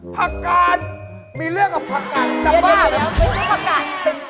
ประกาศมีเรื่องกับประกาศจะบ้าด้วย